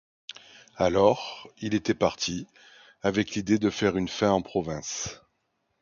Alors, il était parti, avec l'idée de faire une fin en province.